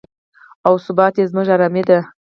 او ثبات یې زموږ ارامي ده.